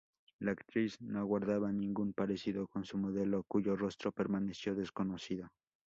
La actriz no guardaba ningún parecido con su modelo cuyo rostro permaneció desconocido.